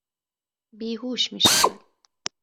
بیهوش میشود